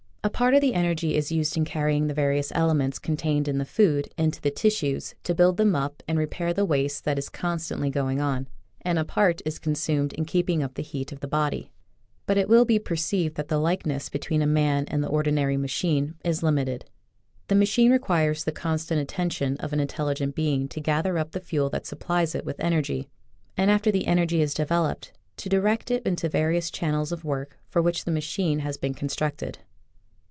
A part of the energy is used in carrying the various elements con tained in the food into the tissues to build them up and repair the waste that is con stantly going on, and a part is consumed in keeping up the heat of the body. But it will be perceived that the likeness between a man and the ordinary machine is limited. The machine requires the constant attention of an intelligent being to gather up the fuel that supplies it with energy, and, after the energy is developed, to direct it into the various channels of work for which the machine has been constructed.